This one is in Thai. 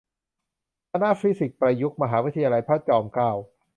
คณะฟิสิกส์ประยุกต์ มหาวิทยาลัยพระจอมเกล้า